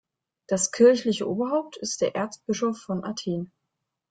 Das kirchliche Oberhaupt ist der Erzbischof von Athen.